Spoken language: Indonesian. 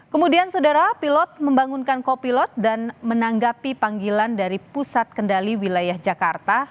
kemudian saudara pilot membangunkan kopilot dan menanggapi panggilan dari pusat kendali wilayah jakarta